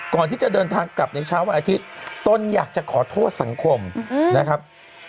ก่อนที่จะเดินทางกลับในเช้าวันอาทิตย์ต้นอยากจะขอโทษสังคมนะครับ